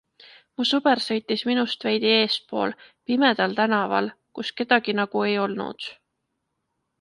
Mu sõber sõitis minust veidi eespool, pimedal tänaval, kus kedagi nagu ei olnud.